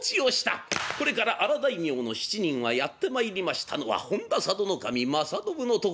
これから荒大名の７人がやってまいりましたのは本多佐渡守正信のところ。